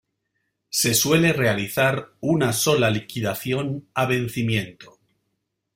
Se suele realizar una sola liquidación a vencimiento.